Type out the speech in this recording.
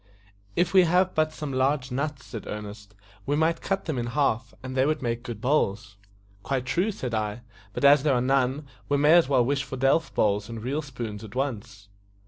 "If we had but some large nuts," said Ernest, "we might cut them in half, and they would make good bowls." "Quite true," said I; "but as there are none, we may as well wish for delf bowls and real spoons at once."